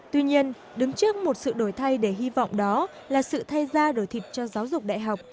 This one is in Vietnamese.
tuy nhiên đứng trước một sự đổi thay để hy vọng đó là sự thay ra đổi thịt cho giáo dục đại học